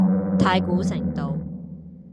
太古城道